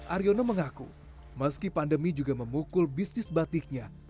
aryono mengaku meski pandemi juga memukul bisnis batiknya